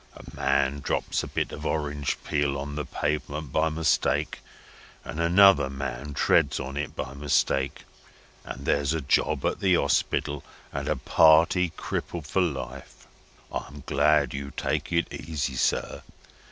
A man drops a bit of orange peel on the pavement by mistake, and another man treads on it by mistake, and there's a job at the hospital, and a party crippled for life. I'm glad you take it easy, sir.